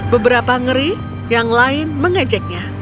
beberapa ngeri yang lain mengejeknya